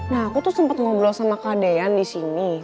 nah aku tuh sempet ngobrol sama kadean disini